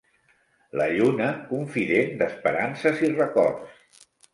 La lluna, confident d'esperances i records.